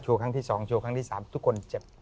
โชว์ครั้งที่สองโชว์ครั้งที่สามทุกคนเจ็บ